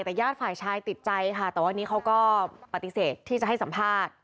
แต่ญาติฝ่ายชายติดใจค่ะแต่วันนี้เขาก็ปฏิเสธที่จะให้สัมภาษณ์